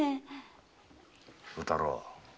宇太郎